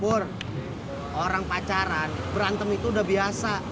umur orang pacaran berantem itu udah biasa